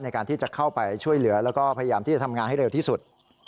ในการที่จะเข้าไปช่วยเหลือแล้วก็พยายามที่จะทำงานให้เร็วที่สุด